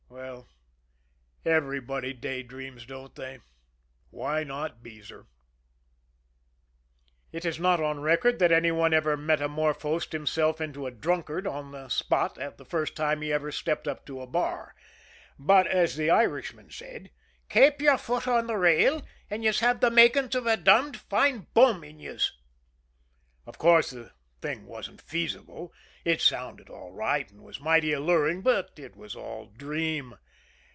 Well, everybody day dreams, don't they? Why not Beezer? It is not on record that any one ever metamorphosed himself into a drunkard on the spot the first time he ever stepped up to a bar; but as the Irishman said: "Kape yer foot on the rail, an' yez have the makin's av a dombed foine bum in yez!" Of course, the thing wasn't feasible. It sounded all right, and was mighty alluring, but it was all dream.